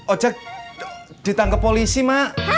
ojek ditangkap polisi mbak